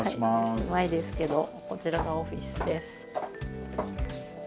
狭いですけどこちらがオフィスです。